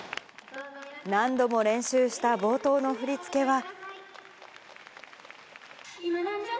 何度も練習した冒頭の振り付けは。